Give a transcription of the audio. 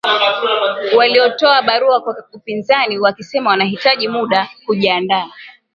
Walitoa barua kwa upinzani wakisema wanahitaji muda kujiandaa